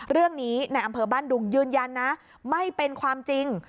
ในอำเภอบ้านดุงยืนยันนะไม่เป็นความจริง